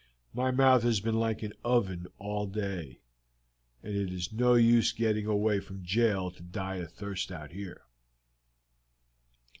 My mouth has been like an oven all day, and it is no use getting away from jail to die of thirst out here."